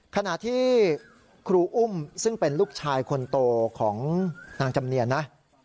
ขณะที่ครูอุ้มซึ่งเป็นลูกชายคนโตของนางจำเนียนนะ